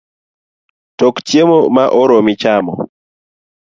Tok chiemo ma oromi chamo